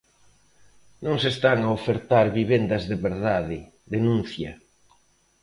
"Non se están a ofertar vivendas de verdade", denuncia.